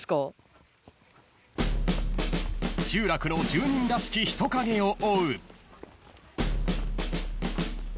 ［集落の住人らしき人影を追う］